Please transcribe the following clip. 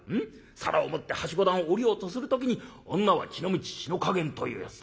皿を持ってはしご段を下りようとする時に『女は血の道血の加減』というやつだ。